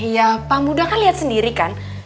ya pak budha kan lihat sendiri kan